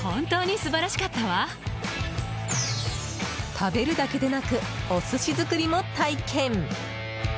食べるだけでなくお寿司作りも体験！